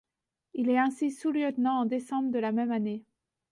Il est ainsi sous-lieutenant en décembre de la même année.